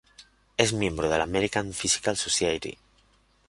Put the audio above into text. Es miembro de la American Physical Society.